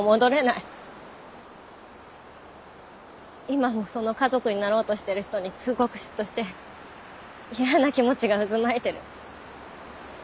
今もその家族になろうとしてる人にすごく嫉妬して嫌な気持ちが渦巻いてる。